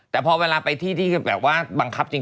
แต่พอเวลาไปที่ที่แบบว่าบังคับจริง